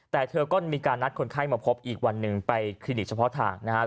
แต่เธอก็มีการนัดคนไข้มาพบอีกวันหนึ่งไปคลินิกเฉพาะทางนะครับ